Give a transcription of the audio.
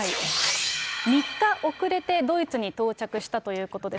３日遅れてドイツに到着したということです。